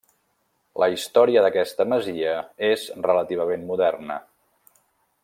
La història d'aquesta masia és relativament moderna.